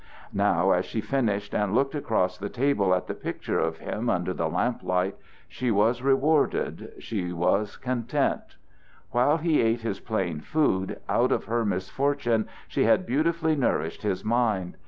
Now as she finished and looked across the table at the picture of him under the lamplight, she was rewarded, she was content; while he ate his plain food, out of her misfortunes she had beautifully nourished his mind.